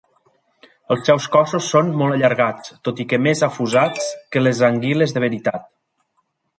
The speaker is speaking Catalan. Els seus cossos són molt allargats, tot i que més afusats que les anguiles de veritat.